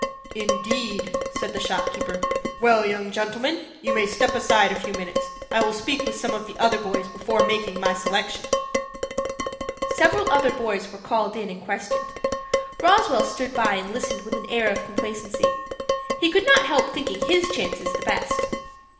"Indeed!" said the shop keeper. "Well, young gentleman, you may step aside a few minutes. I will speak with some of the other boys before making my selection." Several other boys were called in and questioned. Roswell stood by and listened with an air of complacency. He could not help thinking his chances the best.